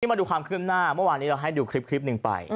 มาดูความคืบหน้าเมื่อวานนี้เราให้ดูคลิปหนึ่งไป